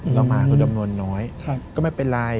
เรามาก็จำนวนน้อยก็ไม่เป็นไร